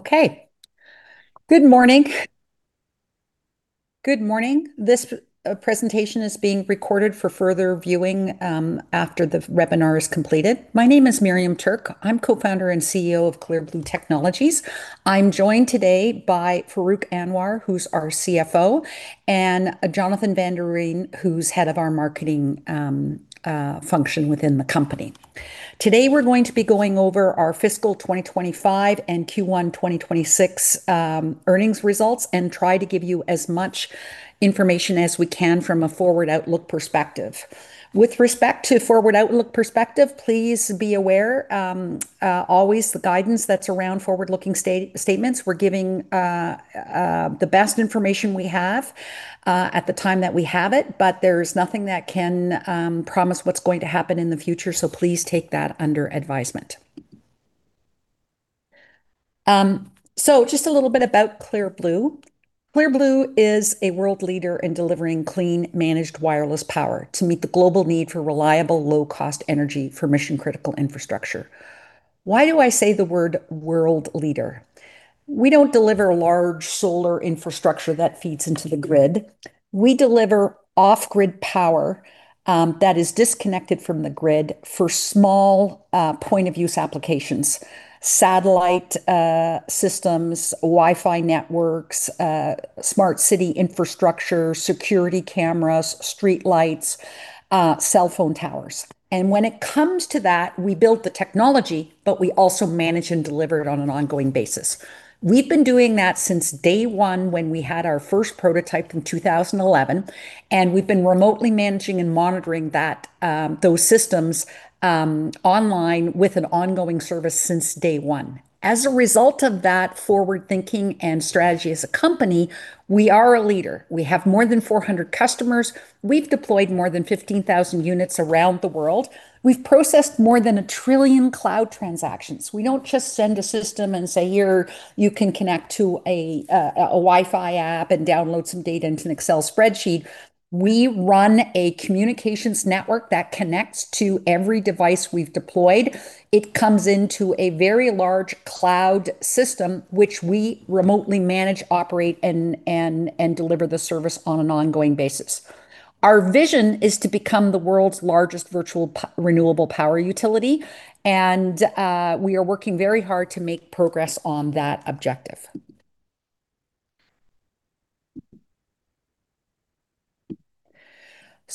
Good morning. This presentation is being recorded for further viewing after the webinar is completed. My name is Miriam Tuerk. I'm co-founder and CEO of Clear Blue Technologies. I'm joined today by Farrukh Anwar, who's our CFO, and Jonathan van der Veen, who's head of our marketing function within the company. Today, we're going to be going over our fiscal 2025 and Q1 2026 earnings results and try to give you as much information as we can from a forward outlook perspective. With respect to forward outlook perspective, please be aware, always the guidance that's around forward-looking statements, we're giving the best information we have at the time that we have it, but there's nothing that can promise what's going to happen in the future. Please take that under advisement. Just a little bit about Clear Blue. Clear Blue is a world leader in delivering clean managed wireless power to meet the global need for reliable, low-cost energy for mission-critical infrastructure. Why do I say the word world leader? We don't deliver large solar infrastructure that feeds into the grid. We deliver off-grid power, that is disconnected from the grid, for small point-of-use applications, satellite systems, Wi-Fi networks, smart city infrastructure, security cameras, streetlights, cellphone towers. When it comes to that, we build the technology, but we also manage and deliver it on an ongoing basis. We've been doing that since day one when we had our first prototype in 2011, and we've been remotely managing and monitoring those systems online with an ongoing service since day one. A result of that forward-thinking and strategy as a company, we are a leader. We have more than 400 customers. We've deployed more than 15,000 units around the world. We've processed more than a trillion cloud transactions. We don't just send a system and say, "Here, you can connect to a Wi-Fi app and download some data into an Excel spreadsheet." We run a communications network that connects to every device we've deployed. It comes into a very large cloud system, which we remotely manage, operate, and deliver the service on an ongoing basis. Our vision is to become the world's largest virtual renewable power utility. We are working very hard to make progress on that objective.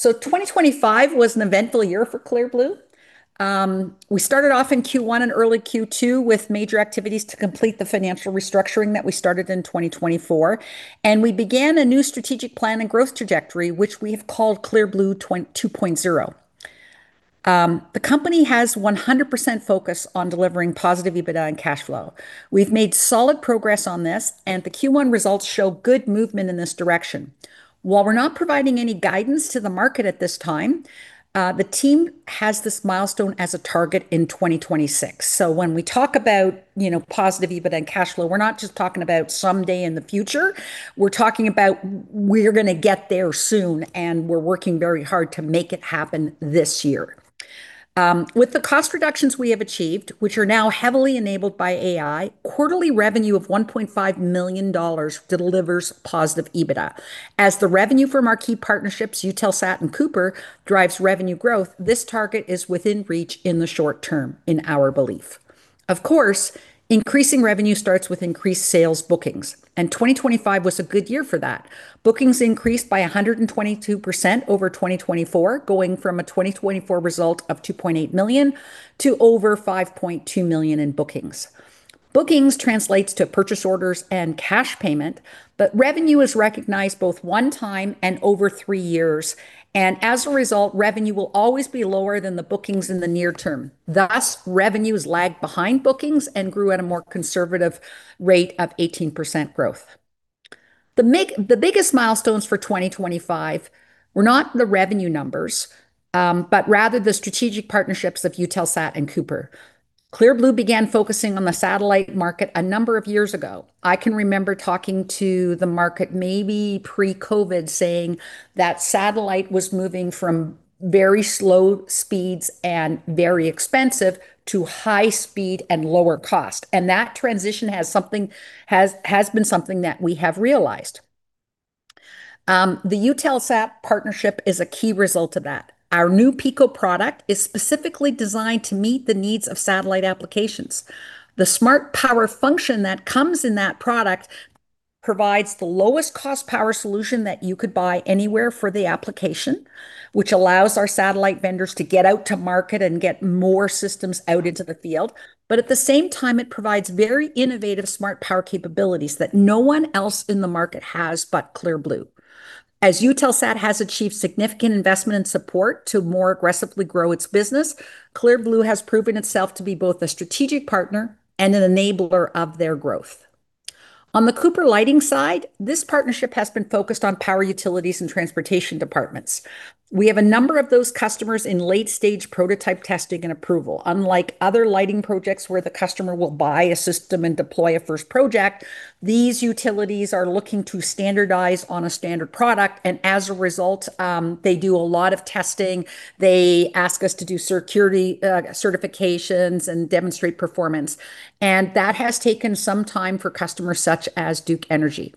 2025 was an eventful year for Clear Blue. We started off in Q1 and early Q2 with major activities to complete the financial restructuring that we started in 2024. We began a new strategic plan and growth trajectory, which we've called Clear Blue 2.0. The company has 100% focus on delivering positive EBITDA and cash flow. We've made solid progress on this. The Q1 results show good movement in this direction. While we're not providing any guidance to the market at this time, the team has this milestone as a target in 2026. When we talk about positive EBITDA and cash flow, we're not just talking about someday in the future, we're talking about we're going to get there soon. We're working very hard to make it happen this year. With the cost reductions we have achieved, which are now heavily enabled by AI, quarterly revenue of 1.5 million dollars delivers positive EBITDA. The revenue from our key partnerships, Eutelsat and Cooper, drives revenue growth, this target is within reach in the short term, in our belief. Of course, increasing revenue starts with increased sales bookings, and 2025 was a good year for that. Bookings increased by 122% over 2024, going from a 2024 result of 2.8 million to over 5.2 million in bookings. Bookings translates to purchase orders and cash payment, but revenue is recognized both one time and over three years, and as a result, revenue will always be lower than the bookings in the near term. Thus, revenues lagged behind bookings and grew at a more conservative rate of 18% growth. The biggest milestones for 2025 were not the revenue numbers, but rather the strategic partnerships of Eutelsat and Cooper. Clear Blue began focusing on the satellite market a number of years ago. I can remember talking to the market maybe pre-COVID, saying that satellite was moving from very slow speeds and very expensive to high speed and lower cost. That transition has been something that we have realized. The Eutelsat partnership is a key result of that. Our new Pico product is specifically designed to meet the needs of satellite applications. The Smart Power function that comes in that product provides the lowest cost power solution that you could buy anywhere for the application, which allows our satellite vendors to get out to market and get more systems out into the field. But at the same time, it provides very innovative Smart Power capabilities that no one else in the market has but Clear Blue. As Eutelsat has achieved significant investment and support to more aggressively grow its business, Clear Blue has proven itself to be both a strategic partner and an enabler of their growth. On the Cooper Lighting side, this partnership has been focused on power utilities and transportation departments. We have a number of those customers in late-stage prototype testing and approval. Unlike other lighting projects where the customer will buy a system and deploy a first project, these utilities are looking to standardize on a standard product, and as a result, they do a lot of testing. They ask us to do security certifications and demonstrate performance, and that has taken some time for customers such as Duke Energy.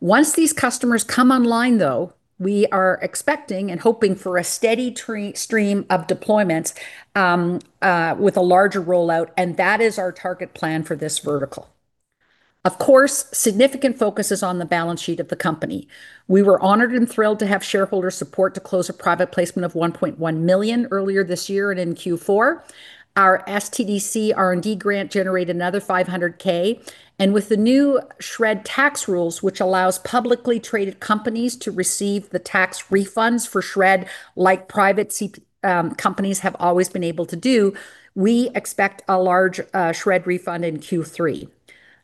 Once these customers come online, though, we are expecting and hoping for a steady stream of deployments, with a larger rollout, and that is our target plan for this vertical. Of course, significant focus is on the balance sheet of the company. We were honored and thrilled to have shareholder support to close a private placement of 1.1 million earlier this year in Q4. Our SDTC R&D grant generated another 500,000, with the new SR&ED tax rules, which allows publicly traded companies to receive the tax refunds for SR&ED, like private companies have always been able to do, we expect a large SR&ED refund in Q3.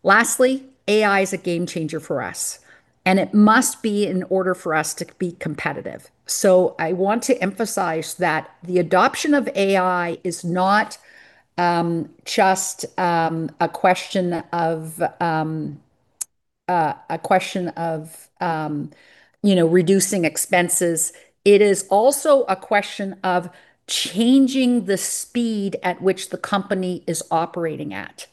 Lastly, AI is a game changer for us, and it must be in order for us to be competitive. I want to emphasize that the adoption of AI is not just a question of reducing expenses. It is also a question of changing the speed at which the company is operating at.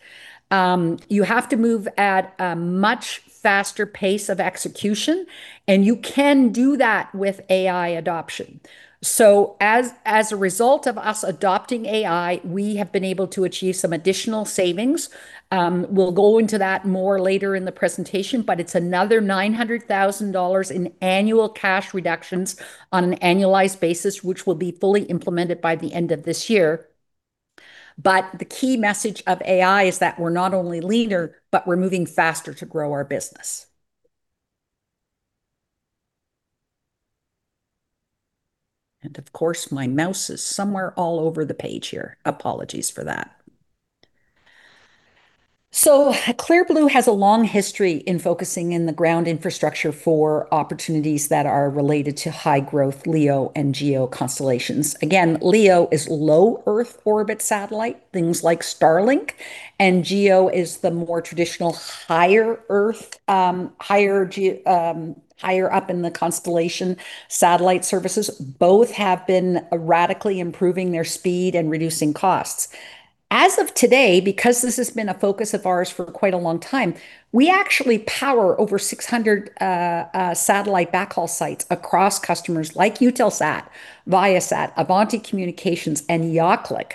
You have to move at a much faster pace of execution, and you can do that with AI adoption. As a result of us adopting AI, we have been able to achieve some additional savings. We'll go into that more later in the presentation, it's another 900,000 dollars in annual cash reductions on an annualized basis, which will be fully implemented by the end of this year. The key message of AI is that we're not only leaner, but we're moving faster to grow our business. Of course, my mouse is somewhere all over the page here. Apologies for that. Clear Blue has a long history in focusing in the ground infrastructure for opportunities that are related to high growth LEO and GEO constellations. Again, LEO is low Earth orbit satellite, things like Starlink, and GEO is the more traditional higher up in the constellation satellite services. Both have been radically improving their speed and reducing costs. As of today, because this has been a focus of ours for quite a long time, we actually power over 600 satellite backhaul sites across customers like Eutelsat, Viasat, Avanti Communications, and YahClick.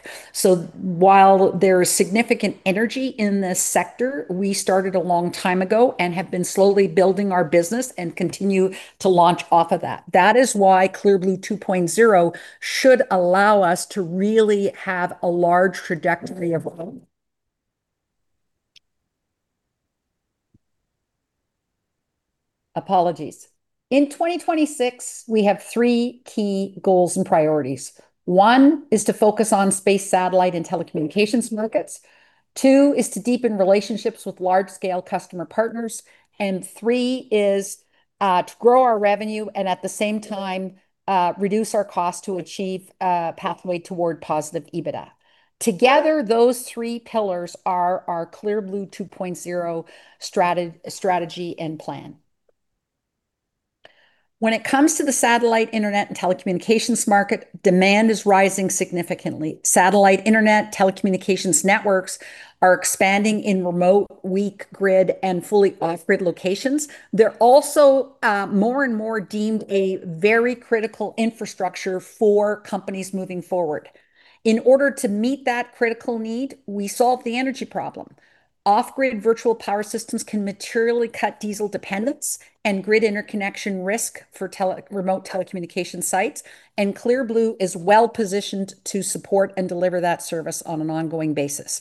While there is significant energy in this sector, we started a long time ago and have been slowly building our business and continue to launch off of that. That is why Clear Blue 2.0 should allow us to really have a large trajectory. Apologies. In 2026, we have three key goals and priorities. One is to focus on space satellite and telecommunications markets. Two is to deepen relationships with large-scale customer partners, and three is to grow our revenue and at the same time, reduce our cost to achieve a pathway toward positive EBITDA. Together, those three pillars are our Clear Blue 2.0 strategy and plan. When it comes to the satellite internet and telecommunications market, demand is rising significantly. Satellite internet, telecommunications networks are expanding in remote, weak grid, and fully off-grid locations. They're also more and more deemed a very critical infrastructure for companies moving forward. In order to meet that critical need, we solve the energy problem. Off-grid virtual power systems can materially cut diesel dependence and grid interconnection risk for remote telecommunication sites, and Clear Blue is well-positioned to support and deliver that service on an ongoing basis.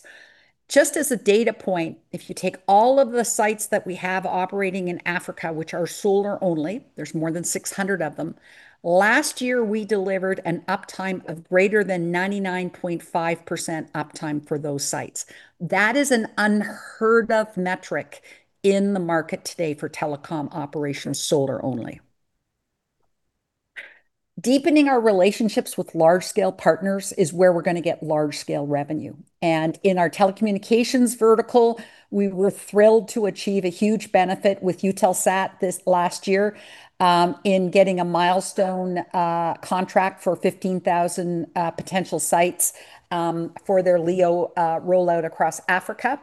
Just as a data point, if you take all of the sites that we have operating in Africa, which are solar only, there's more than 600 of them. Last year, we delivered an uptime of greater than 99.5% uptime for those sites. That is an unheard-of metric in the market today for telecom operations solar only. Deepening our relationships with large-scale partners is where we're going to get large-scale revenue. In our telecommunications vertical, we were thrilled to achieve a huge benefit with Eutelsat this last year in getting a milestone contract for 15,000 potential sites for their LEO rollout across Africa.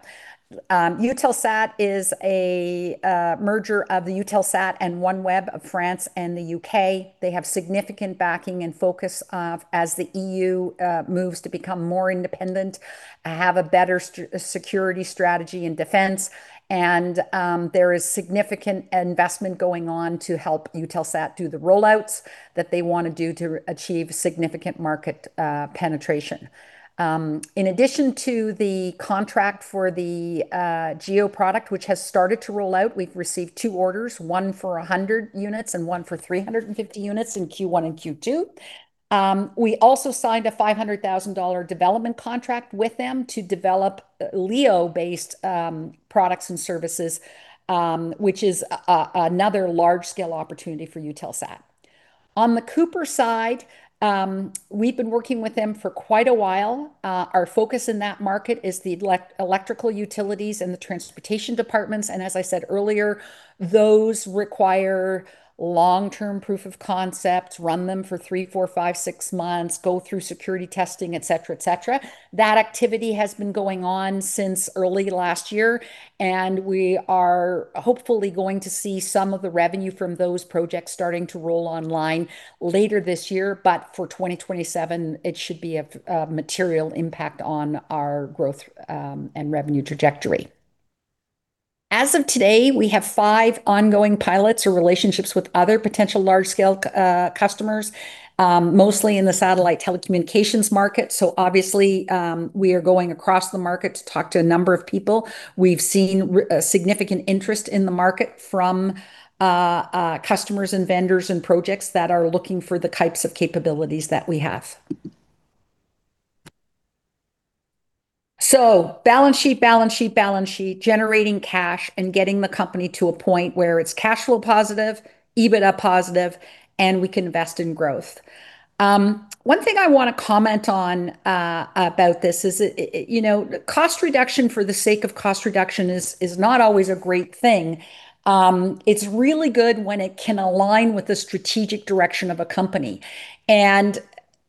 Eutelsat is a merger of the Eutelsat and OneWeb of France and the U.K. They have significant backing and focus as the E.U. moves to become more independent, have a better security strategy and defense, there is significant investment going on to help Eutelsat do the rollouts that they want to do to achieve significant market penetration. In addition to the contract for the GEO product, which has started to roll out, we've received two orders, one for 100 units and one for 350 units in Q1 and Q2. We also signed a 500,000 dollar development contract with them to develop LEO-based products and services, which is another large-scale opportunity for Eutelsat. On the Cooper side, we've been working with them for quite a while. Our focus in that market is the electrical utilities and the transportation departments. As I said earlier, those require long-term proof of concepts, run them for three, four, five, six months, go through security testing, et cetera. That activity has been going on since early last year, we are hopefully going to see some of the revenue from those projects starting to roll online later this year. For 2027, it should be a material impact on our growth and revenue trajectory. As of today, we have five ongoing pilots or relationships with other potential large-scale customers, mostly in the satellite telecommunications market. Obviously, we are going across the market to talk to a number of people. We've seen significant interest in the market from customers and vendors and projects that are looking for the types of capabilities that we have. Balance sheet, balance sheet, balance sheet, generating cash and getting the company to a point where it's cash flow positive, EBITDA positive, and we can invest in growth. One thing I want to comment on about this is cost reduction for the sake of cost reduction is not always a great thing. It's really good when it can align with the strategic direction of a company.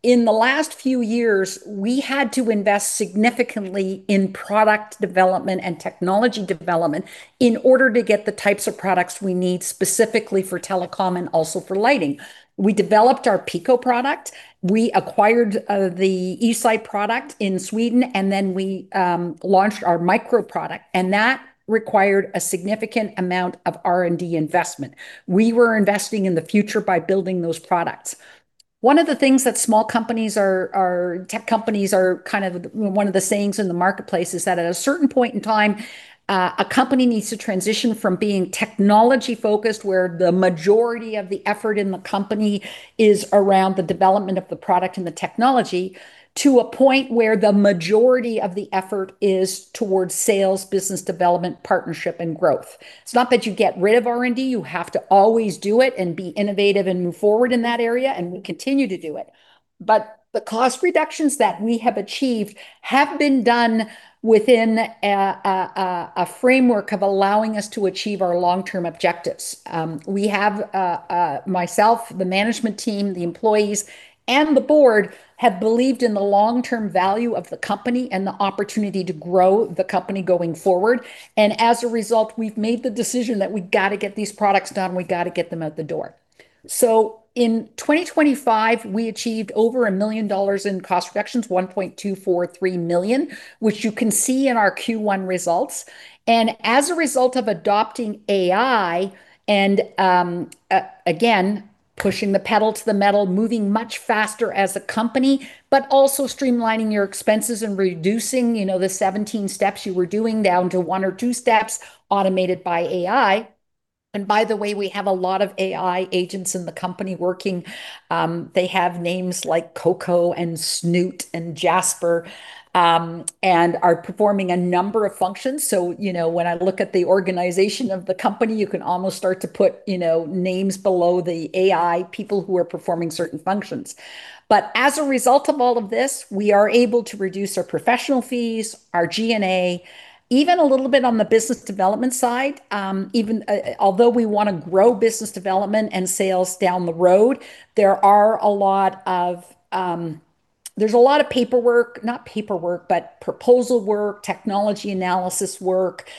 In the last few years, we had to invest significantly in product development and technology development in order to get the types of products we need, specifically for telecom and also for lighting. We developed our Pico product, we acquired the eSite product in Sweden, we launched our Micro product, that required a significant amount of R&D investment. We were investing in the future by building those products. One of the things that small tech companies, one of the sayings in the marketplace is that at a certain point in time, a company needs to transition from being technology-focused, where the majority of the effort in the company is around the development of the product and the technology, to a point where the majority of the effort is towards sales, business development, partnership, and growth. It's not that you get rid of R&D. You have to always do it and be innovative and move forward in that area, we continue to do it. The cost reductions that we have achieved have been done within a framework of allowing us to achieve our long-term objectives. We have, myself, the management team, the employees, and the board have believed in the long-term value of the company and the opportunity to grow the company going forward. As a result, we've made the decision that we've got to get these products done. We've got to get them out the door. In 2025, we achieved over 1 million dollars in cost reductions, 1.243 million, which you can see in our Q1 results. As a result of adopting AI and, again, pushing the pedal to the metal, moving much faster as a company, but also streamlining your expenses and reducing the 17 steps you were doing down to one or two steps automated by AI. By the way, we have a lot of AI agents in the company working. They have names like Coco and Snoot and Jasper, and are performing a number of functions. When I look at the organization of the company, you can almost start to put names below the AI people who are performing certain functions. As a result of all of this, we are able to reduce our professional fees, our G&A, even a little bit on the business development side. Although we want to grow business development and sales down the road, there's a lot of paperwork, but proposal work, technology analysis work,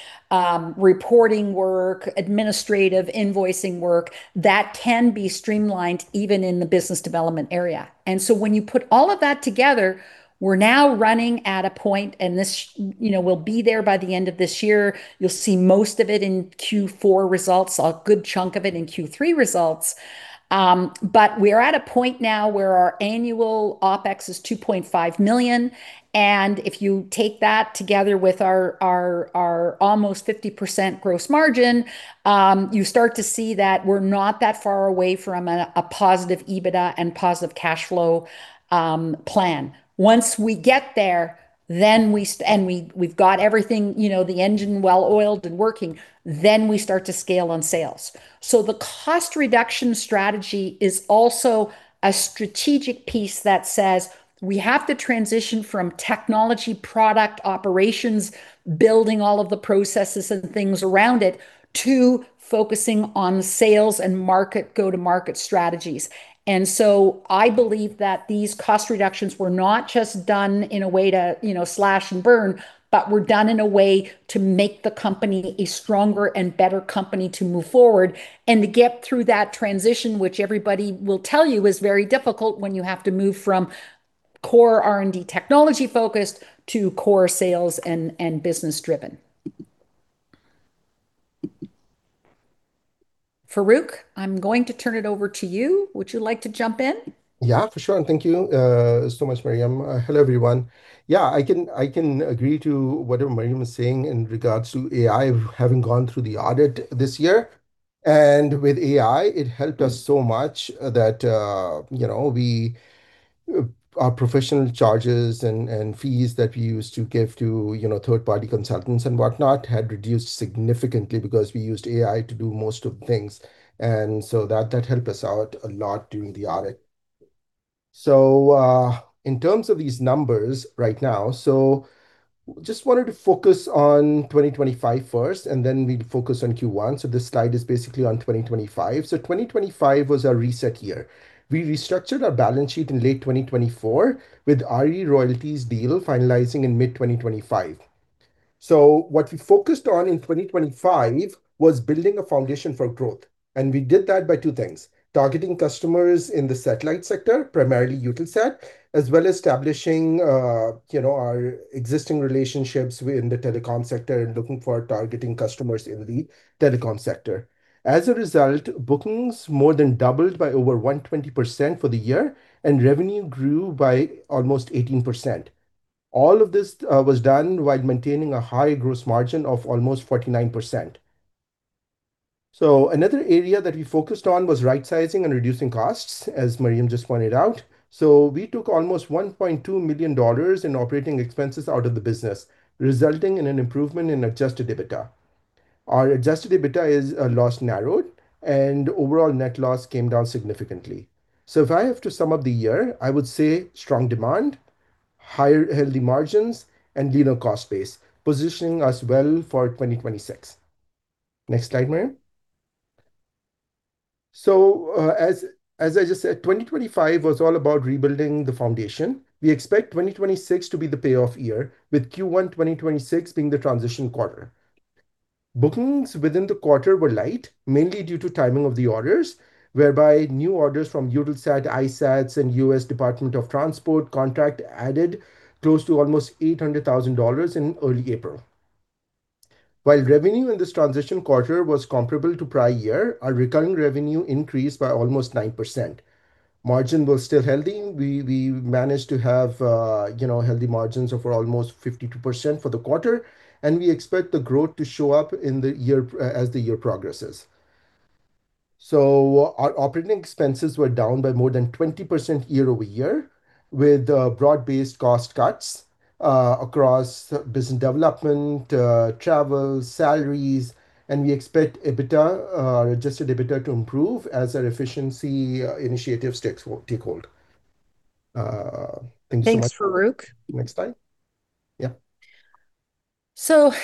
reporting work, administrative invoicing work that can be streamlined even in the business development area. When you put all of that together, we're now running at a point, and we'll be there by the end of this year. You'll see most of it in Q4 results, a good chunk of it in Q3 results. We're at a point now where our annual OpEx is 2.5 million, and if you take that together with our almost 50% gross margin, you start to see that we're not that far away from a positive EBITDA and positive cash flow plan. Once we get there and we've got everything, the engine well-oiled and working, then we start to scale on sales. The cost reduction strategy is also a strategic piece that says we have to transition from technology, product, operations, building all of the processes and things around it, to focusing on sales and go-to-market strategies. I believe that these cost reductions were not just done in a way to slash and burn, but were done in a way to make the company a stronger and better company to move forward and to get through that transition, which everybody will tell you is very difficult when you have to move from core R&D technology-focused to core sales and business-driven. Farrukh, I'm going to turn it over to you. Would you like to jump in? Yeah, for sure. Thank you so much, Miriam. Hello, everyone. I can agree to whatever Miriam is saying in regards to AI, having gone through the audit this year. With AI, it helped us so much that our professional charges and fees that we used to give to third-party consultants and whatnot had reduced significantly because we used AI to do most of the things. That helped us out a lot during the audit. In terms of these numbers right now, just wanted to focus on 2025 first, and then we'll focus on Q1. This slide is basically on 2025. 2025 was our reset year. We restructured our balance sheet in late 2024 with RE Royalties deal finalizing in mid-2025. What we focused on in 2025 was building a foundation for growth, and we did that by two things: targeting customers in the satellite sector, primarily Eutelsat, as well as establishing our existing relationships in the telecom sector and looking for targeting customers in the telecom sector. As a result, bookings more than doubled by over 120% for the year, and revenue grew by almost 18%. All of this was done while maintaining a high gross margin of almost 49%. Another area that we focused on was rightsizing and reducing costs, as Miriam just pointed out. We took almost 1.2 million dollars in operating expenses out of the business, resulting in an improvement in adjusted EBITDA. Our adjusted EBITDA is a loss narrowed and overall net loss came down significantly. If I have to sum up the year, I would say strong demand, healthy margins, and leaner cost base, positioning us well for 2026. Next slide, Miriam. As I just said, 2025 was all about rebuilding the foundation. We expect 2026 to be the payoff year, with Q1 2026 being the transition quarter. Bookings within the quarter were light, mainly due to timing of the orders, whereby new orders from Eutelsat, iSAT, and U.S. Department of Transportation contract added close to almost 800,000 dollars in early April. While revenue in this transition quarter was comparable to prior year, our recurring revenue increased by almost 9%. Margin was still healthy. We managed to have healthy margins of almost 52% for the quarter, and we expect the growth to show up as the year progresses. Our operating expenses were down by more than 20% year-over-year with broad-based cost cuts across business development, travel, salaries, and we expect adjusted EBITDA to improve as our efficiency initiatives take hold. Thank you so much. Thanks, Farrukh. Next slide. Yeah.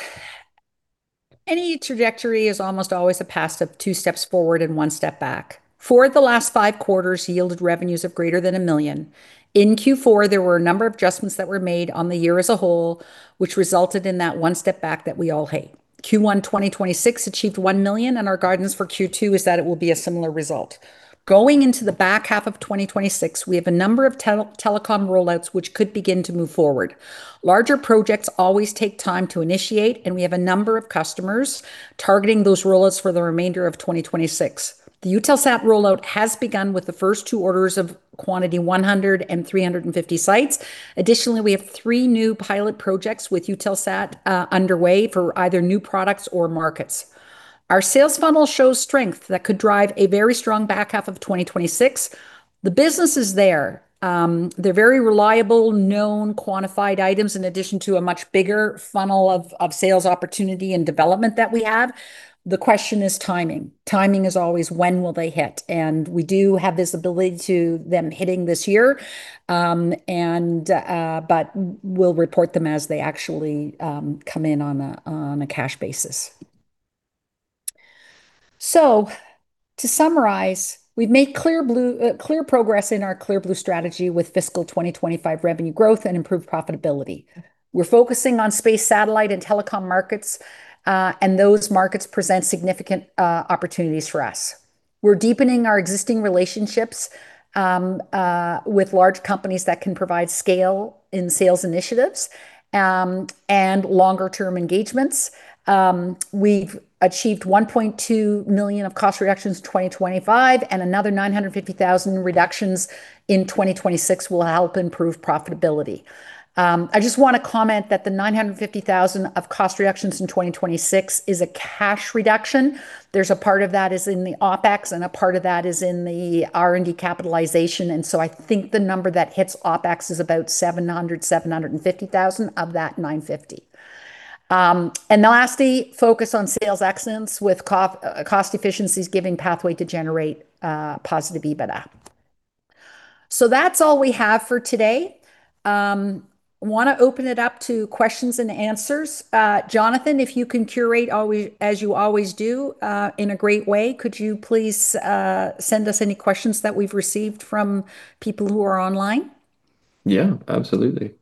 Any trajectory is almost always a path of two steps forward and one step back. Four of the last five quarters yielded revenues of greater than 1 million. In Q4, there were a number of adjustments that were made on the year as a whole, which resulted in that one step back that we all hate. Q1 2026 achieved 1 million, and our guidance for Q2 is that it will be a similar result. Going into the back half of 2026, we have a number of telecom rollouts which could begin to move forward. Larger projects always take time to initiate, and we have a number of customers targeting those rollouts for the remainder of 2026. The Eutelsat rollout has begun with the first two orders of quantity 100 and 350 sites. Additionally, we have three new pilot projects with Eutelsat underway for either new products or markets. Our sales funnel shows strength that could drive a very strong back half of 2026. The business is there. They're very reliable, known, quantified items in addition to a much bigger funnel of sales opportunity and development that we have. The question is timing. Timing is always when will they hit? We do have this ability to them hitting this year, but we'll report them as they actually come in on a cash basis. To summarize, we've made clear progress in our Clear Blue strategy with fiscal 2025 revenue growth and improved profitability. We're focusing on space satellite and telecom markets, and those markets present significant opportunities for us. We're deepening our existing relationships with large companies that can provide scale in sales initiatives, and longer-term engagements. We've achieved 1.2 million of cost reductions in 2025, and another 950,000 in reductions in 2026 will help improve profitability. I just want to comment that the 950,000 of cost reductions in 2026 is a cash reduction. There's a part of that is in the OpEx, and a part of that is in the R&D capitalization, I think the number that hits OpEx is about 700,000, 750,000 of that 950,000. Lastly, focus on sales excellence with cost efficiencies giving pathway to generate positive EBITDA. That's all we have for today. Want to open it up to questions and answers. Jonathan, if you can curate as you always do in a great way, could you please send us any questions that we've received from people who are online? Yeah. Absolutely.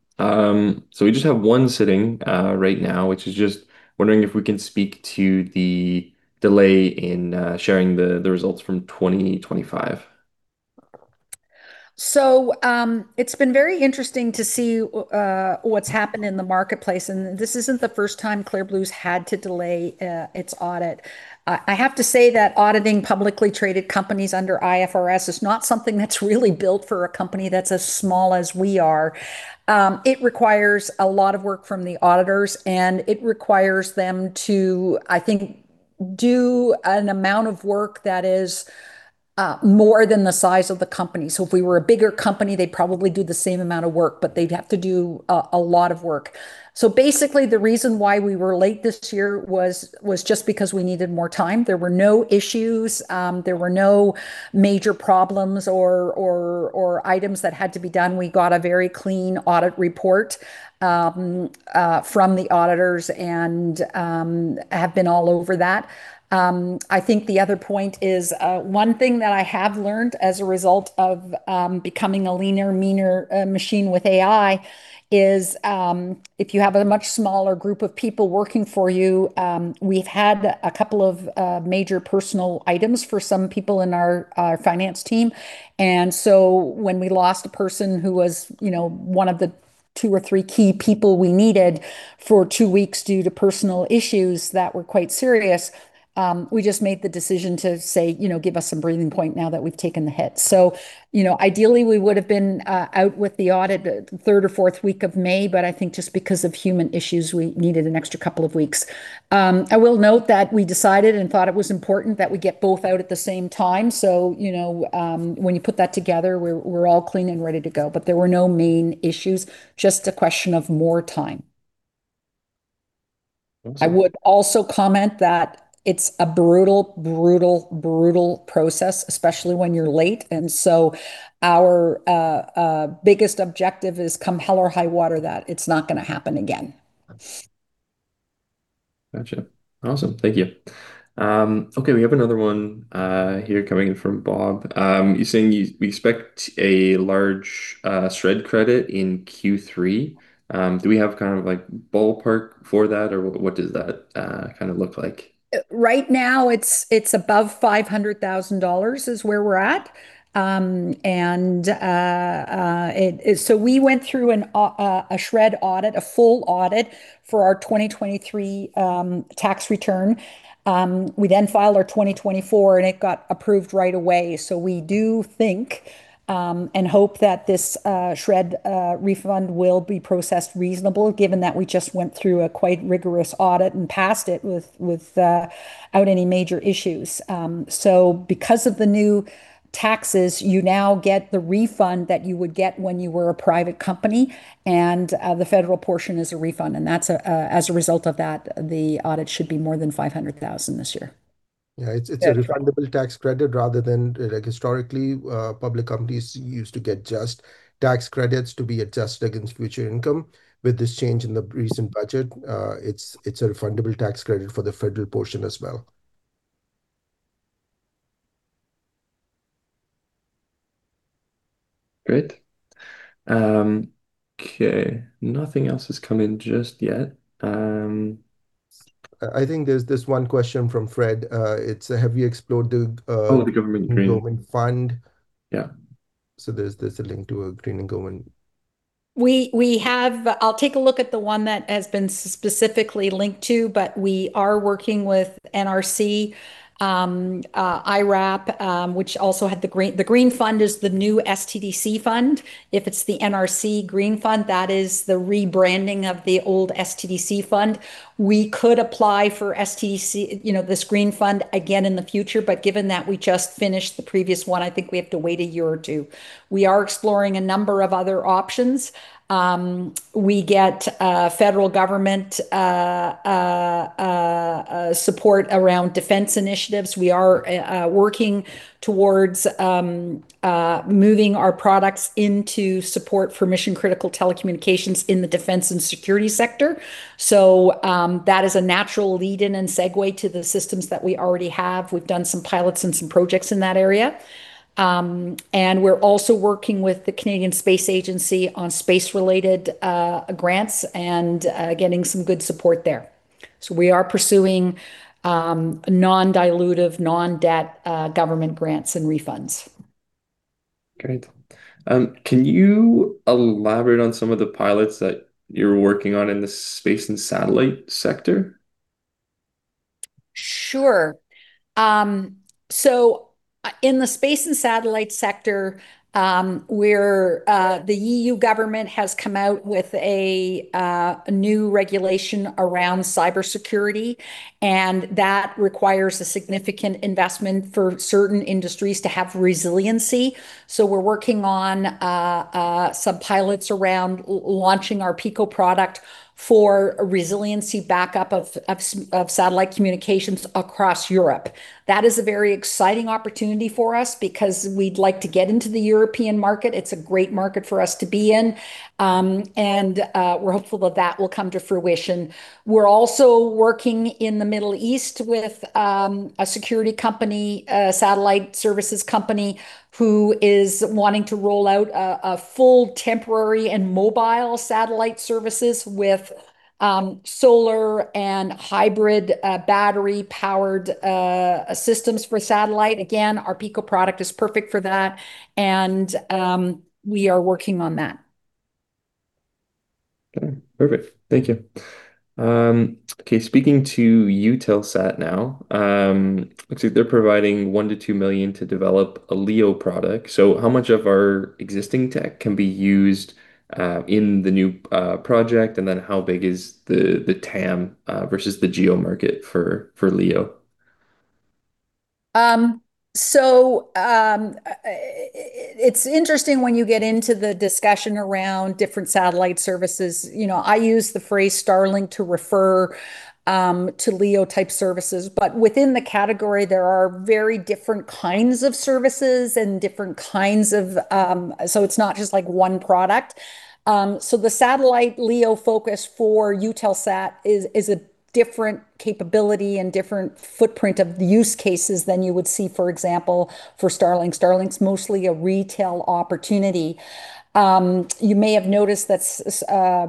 We just have one sitting right now, which is just wondering if we can speak to the delay in sharing the results from 2025. It's been very interesting to see what's happened in the marketplace, and this isn't the first time Clear Blue's had to delay its audit. I have to say that auditing publicly traded companies under IFRS is not something that's really built for a company that's as small as we are. It requires a lot of work from the auditors, and it requires them to, I think, do an amount of work that is more than the size of the company. If we were a bigger company, they'd probably do the same amount of work, but they'd have to do a lot of work. Basically, the reason why we were late this year was just because we needed more time. There were no issues. There were no major problems or items that had to be done. We got a very clean audit report from the auditors and have been all over that. I think the other point is, one thing that I have learned as a result of becoming a leaner, meaner machine with AI is, if you have a much smaller group of people working for you, we've had a couple of major personal items for some people in our finance team. When we lost a person who was one of the two or three key people we needed for two weeks due to personal issues that were quite serious. We just made the decision to say, "Give us some breathing point now that we've taken the hit." Ideally, we would've been out with the audit the third or fourth week of May, but I think just because of human issues, we needed an extra couple of weeks. I will note that we decided and thought it was important that we get both out at the same time. When you put that together, we're all clean and ready to go, but there were no main issues, just a question of more time. Okay. I would also comment that it's a brutal, brutal process, especially when you're late. Our biggest objective is come hell or high water, that it's not going to happen again. Got you. Awesome. Thank you. We have another one here coming in from Bob. He's saying, "We expect a large SR&ED credit in Q3." Do we have kind of ballpark for that? What does that kind of look like? Right now, it's above 500,000 dollars is where we're at. We went through a SR&ED audit, a full audit for our 2023 tax return. We then filed our 2024, and it got approved right away. We do think, and hope that this SR&ED refund will be processed reasonable, given that we just went through a quite rigorous audit and passed it without any major issues. Because of the new taxes, you now get the refund that you would get when you were a private company, and the federal portion is a refund. As a result of that, the audit should be more than 500,000 this year. Yeah, it's a refundable tax credit rather than, historically, public companies used to get just tax credits to be adjusted against future income. With this change in the recent budget, it's a refundable tax credit for the federal portion as well. Great. Okay. Nothing else has come in just yet. I think there's this one question from Fred. It's, have you explored Oh, the government green. Government fund? Yeah. There's this link to a green and government. We have. I'll take a look at the one that has been specifically linked to. We are working with NRC, IRAP, which also had The Green Fund is the new SDTC fund. If it's the NRC Green Fund, that is the rebranding of the old SDTC fund. We could apply for this Green Fund again in the future. Given that we just finished the previous one, I think we have to wait a year or two. We are exploring a number of other options. We get federal government support around defense initiatives. We are working towards moving our products into support for mission-critical telecommunications in the defense and security sector. That is a natural lead-in and segue to the systems that we already have. We've done some pilots and some projects in that area. We're also working with the Canadian Space Agency on space-related grants and getting some good support there. We are pursuing non-dilutive, non-debt government grants and refunds. Great. Can you elaborate on some of the pilots that you're working on in the space and satellite sector? Sure. In the space and satellite sector, where the E.U. Government has come out with a new regulation around cybersecurity. That requires a significant investment for certain industries to have resiliency. We're working on some pilots around launching our Pico product for resiliency backup of satellite communications across Europe. That is a very exciting opportunity for us because we'd like to get into the European market. It's a great market for us to be in. We're hopeful that that will come to fruition. We're also working in the Middle East with a security company, a satellite services company, who is wanting to roll out a full temporary and mobile satellite services with solar and hybrid battery-powered systems for satellite. Again, our Pico product is perfect for that, and we are working on that. Okay. Perfect. Thank you. Okay, speaking to Eutelsat now. Looks like they're providing 1 million to 2 million to develop a LEO product. How much of our existing tech can be used in the new project, and then how big is the TAM versus the GEO market for LEO? It's interesting when you get into the discussion around different satellite services. I use the phrase Starlink to refer to LEO-type services. Within the category, there are very different kinds of services, so it's not just one product. The satellite LEO focus for Eutelsat is a different capability and different footprint of the use cases than you would see, for example, for Starlink. Starlink's mostly a retail opportunity. You may have noticed that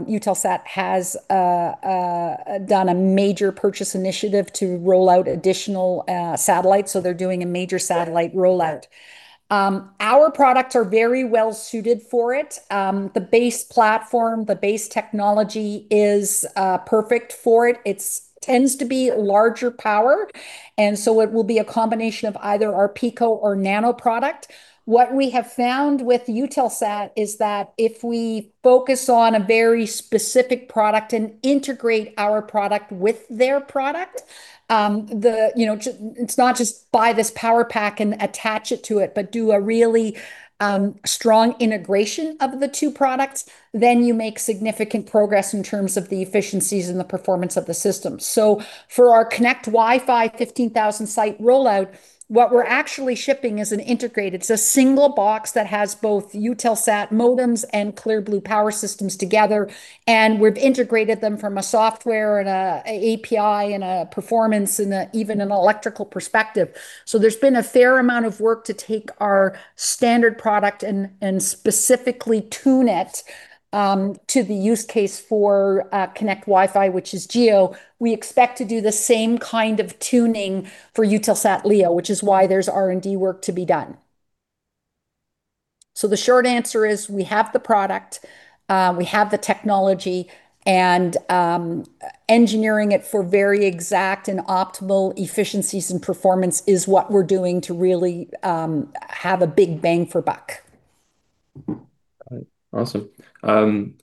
Eutelsat has done a major purchase initiative to roll out additional satellites. They're doing a major satellite rollout. Our products are very well-suited for it. The base platform, the base technology is perfect for it. It tends to be larger power. It will be a combination of either our Pico or Nano product. What we have found with Eutelsat is that if we focus on a very specific product and integrate our product with their product, it's not just buy this power pack and attach it to it, but do a really strong integration of the two products, then you make significant progress in terms of the efficiencies and the performance of the system. For our Konnect WiFi 15,000 site rollout, what we're actually shipping is an integrated, it's a single box that has both Eutelsat modems and Clear Blue power systems together, and we've integrated them from a software and an API and a performance and even an electrical perspective. There's been a fair amount of work to take our standard product and specifically tune it to the use case for Konnect WiFi, which is GEO. We expect to do the same kind of tuning for Eutelsat LEO, which is why there's R&D work to be done. The short answer is we have the product, we have the technology, engineering it for very exact and optimal efficiencies and performance is what we're doing to really have a big bang for buck. Got it. Awesome.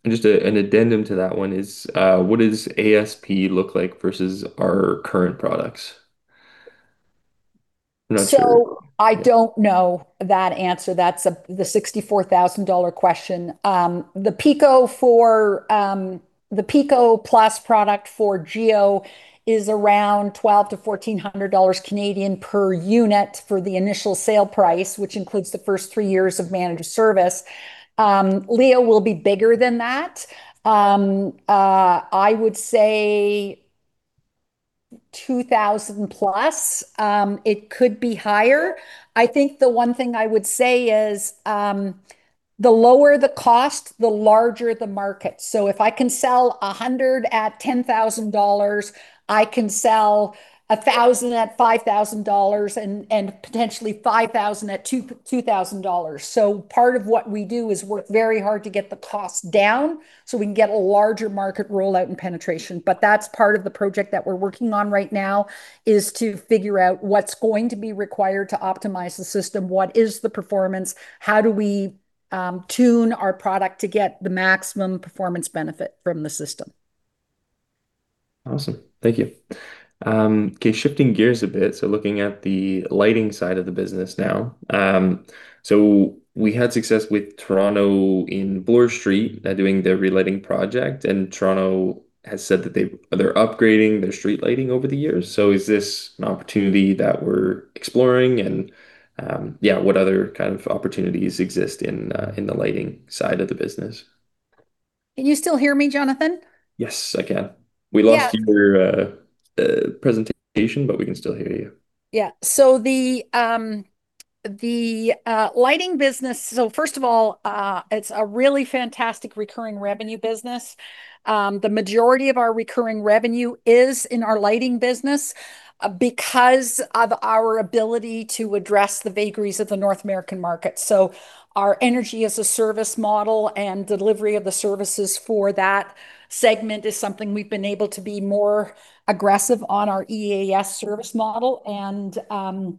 Just an addendum to that one is, what does ASP look like versus our current products? I don't know that answer. That's the 64,000 dollar question. The Pico Plus product for GEO is around 1,200-1,400 dollars per unit for the initial sale price, which includes the first three years of managed service. LEO will be bigger than that. I would say 2,000-plus. It could be higher. I think the one thing I would say is, the lower the cost, the larger the market. If I can sell 100 at 10,000 dollars, I can sell 1,000 at 5,000 dollars and potentially 5,000 at 2,000 dollars. Part of what we do is work very hard to get the cost down so we can get a larger market rollout and penetration. That's part of the project that we're working on right now, is to figure out what's going to be required to optimize the system, what is the performance, how do we tune our product to get the maximum performance benefit from the system. Awesome. Thank you. Okay, shifting gears a bit, looking at the lighting side of the business now. We had success with Toronto in Bloor Street doing their relighting project, and Toronto has said that they're upgrading their street lighting over the years. Is this an opportunity that we're exploring and, yeah, what other kind of opportunities exist in the lighting side of the business? Can you still hear me, Jonathan? Yes, I can. Yeah. We lost your presentation, but we can still hear you. Yeah. The lighting business, first of all, it's a really fantastic recurring revenue business. The majority of our recurring revenue is in our lighting business because of our ability to address the vagaries of the North American market. Our Energy-as-a-Service model and delivery of the services for that segment is something we've been able to be more aggressive on our EAS service model.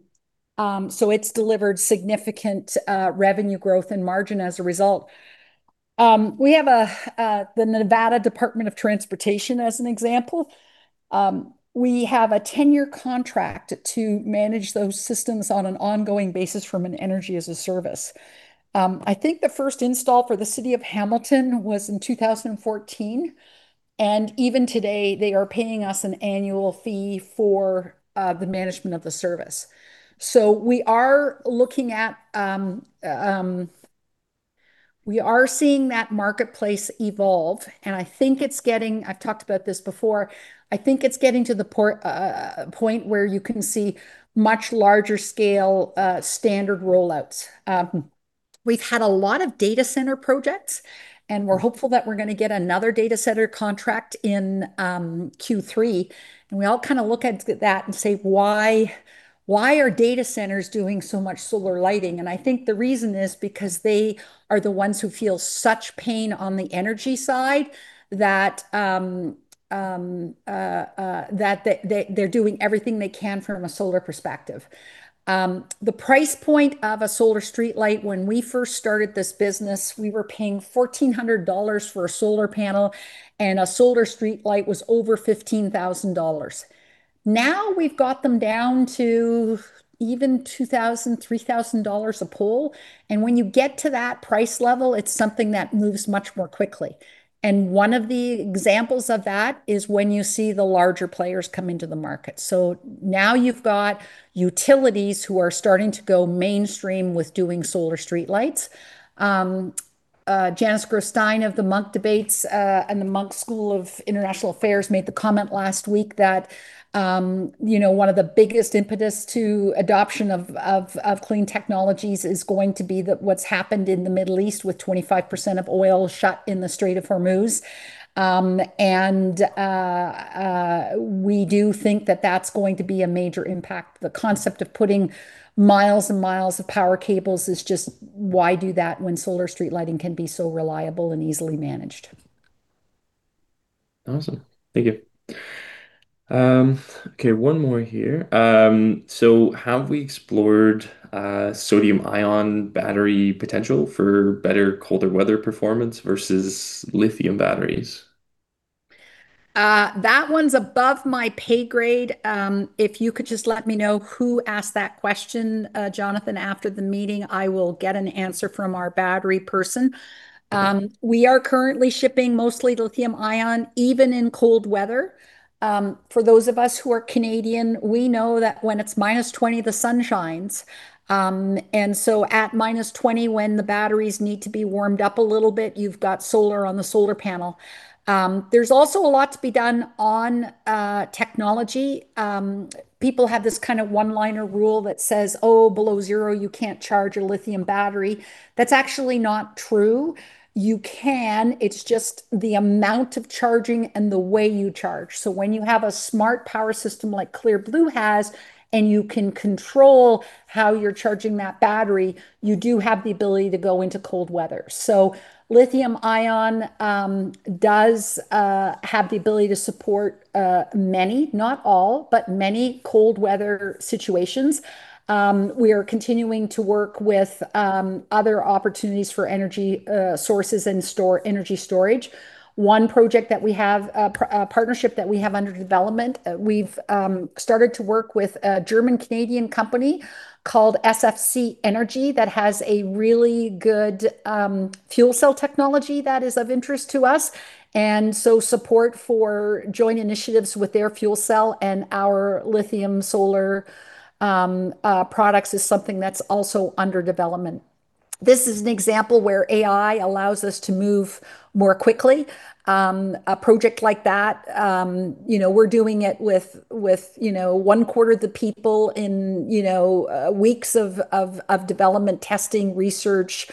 It's delivered significant revenue growth and margin as a result. We have the Nevada Department of Transportation as an example. We have a 10-year contract to manage those systems on an ongoing basis from an Energy-as-a-Service. I think the first install for the city of Hamilton was in 2014, and even today, they are paying us an annual fee for the management of the service. We are seeing that marketplace evolve, I've talked about this before, I think it's getting to the point where you can see much larger scale standard rollouts. We've had a lot of data center projects, we're hopeful that we're going to get another data center contract in Q3. We all look at that and say, "Why are data centers doing so much solar lighting?" I think the reason is because they are the ones who feel such pain on the energy side that they're doing everything they can from a solar perspective. The price point of a solar streetlight, when we first started this business, we were paying 1,400 dollars for a solar panel, and a solar streetlight was over 15,000 dollars. Now we've got them down to even 2,000, 3,000 dollars a pole. When you get to that price level, it's something that moves much more quickly. One of the examples of that is when you see the larger players come into the market. Now you've got utilities who are starting to go mainstream with doing solar streetlights. Janice Gross Stein of the Munk Debates and the Munk School of Global International Affairs made the comment last week that one of the biggest impetus to adoption of clean technologies is going to be what's happened in the Middle East with 25% of oil shut in the Strait of Hormuz. We do think that that's going to be a major impact. The concept of putting miles and miles of power cables is just why do that when solar street lighting can be so reliable and easily managed. Awesome. Thank you. One more here. Have we explored sodium ion battery potential for better colder weather performance versus lithium batteries? That one's above my pay grade. If you could just let me know who asked that question, Jonathan, after the meeting, I will get an answer from our battery person. We are currently shipping mostly lithium ion, even in cold weather. For those of us who are Canadian, we know that when it's -20, the sun shines. So at -20, when the batteries need to be warmed up a little bit, you've got solar on the solar panel. There's also a lot to be done on technology. People have this one-liner rule that says, "Oh, below zero, you can't charge a lithium battery." That's actually not true. You can, it's just the amount of charging and the way you charge. When you have a Smart Power system like Clear Blue has, and you can control how you're charging that battery, you do have the ability to go into cold weather. Lithium ion does have the ability to support many, not all, but many cold weather situations. We are continuing to work with other opportunities for energy sources and energy storage. One project that we have, a partnership that we have under development, we've started to work with a German Canadian company called SFC Energy that has a really good fuel cell technology that is of interest to us. So support for joint initiatives with their fuel cell and our lithium solar products is something that's also under development. This is an example where AI allows us to move more quickly. A project like that, we're doing it with one quarter of the people in weeks of development testing, research,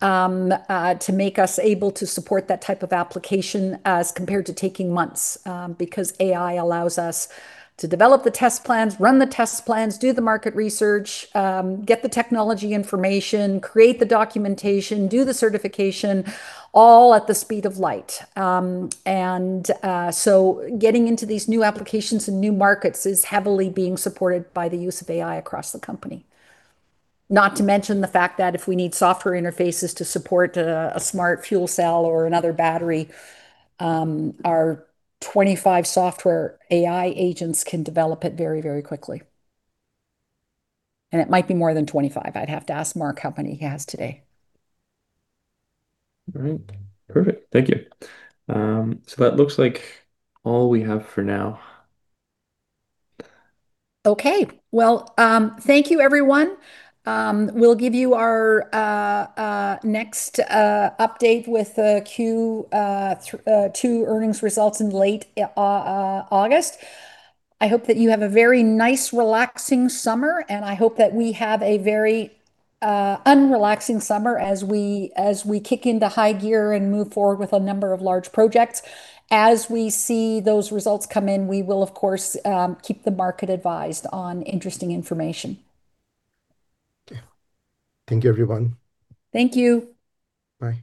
to make us able to support that type of application as compared to taking months, because AI allows us to develop the test plans, run the test plans, do the market research, get the technology information, create the documentation, do the certification, all at the speed of light. So getting into these new applications and new markets is heavily being supported by the use of AI across the company. Not to mention the fact that if we need software interfaces to support a smart fuel cell or another battery, our 25 software AI agents can develop it very quickly. It might be more than 25. I'd have to ask Mark how many he has today. All right. Perfect. Thank you. That looks like all we have for now. Okay. Well, thank you everyone. We'll give you our next update with the Q2 earnings results in late August. I hope that you have a very nice, relaxing summer, and I hope that we have a very unrelaxing summer as we kick into high gear and move forward with a number of large projects. As we see those results come in, we will, of course, keep the market advised on interesting information. Okay. Thank you everyone. Thank you. Bye.